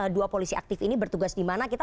dua polisi aktif ini bertugas di mana kita